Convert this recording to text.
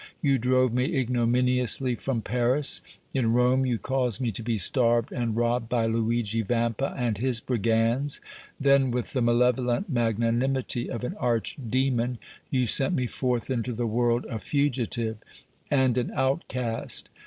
You drove me ignominiously from Paris; in Rome you caused me to be starved and robbed by Luigi Vampa and his brigands; then with the malevolent magnanimity of an arch demon you sent me forth into the world a fugitive and an outcast.